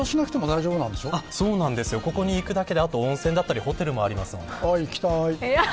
ここに行くだけで温泉やホテルもあります。